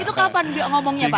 itu kapan bu ngomongnya pak